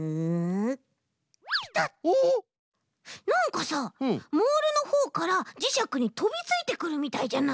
なんかさモールのほうからじしゃくにとびついてくるみたいじゃない？